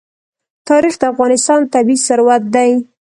تاریخ د افغانستان طبعي ثروت دی.